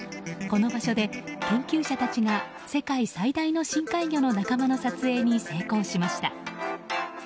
この場所で研究者たちが世界最大の深海魚の仲間の撮影に成功しました。